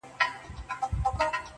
اوس هره شپه خوب کي بلا وينمه.